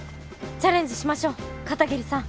チャレンジしましょう片桐さん。